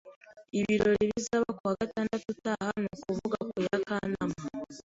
Ibirori bizaba ku wa gatandatu utaha, ni ukuvuga ku ya Kanama.